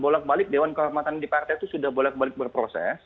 bolak balik dewan kehormatan di partai itu sudah bolak balik berproses